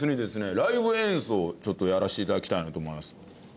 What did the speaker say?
ライブ演奏をちょっとやらせて頂きたいなと思います。